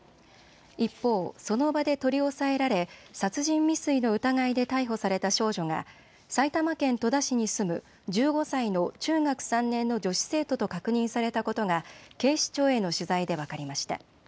一方、その場で取り押さえられ殺人未遂の疑いで逮捕された少女が埼玉県戸田市に住む１５歳の中学３年の女子生徒と確認されたことが警視庁への取材で分かりました。